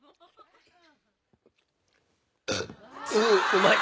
うまい。